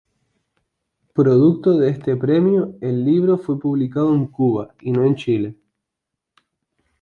Producto de este premio, el libro fue publicado en Cuba y no en Chile.